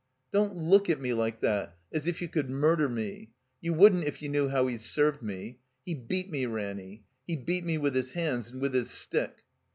Don't look at me like that, as if you could mur der me. You wouldn't if you knew how he's served me. He beat me, Ranny. He beat me with his hands and with his stick."